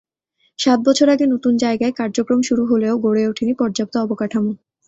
সাত বছর আগে নতুন জায়গায় কার্যক্রম শুরু হলেও গড়ে ওঠেনি পর্যাপ্ত অবকাঠামো।